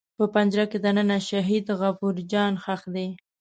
په پنجره کې دننه شهید غفور جان ښخ دی.